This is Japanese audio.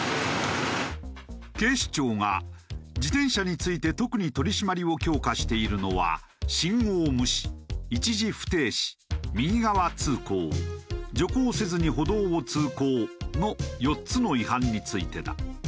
警視庁が自転車について特に取り締まりを強化しているのは「信号無視」「一時不停止」「右側通行」「徐行せずに歩道を通行」の４つの違反についてだ。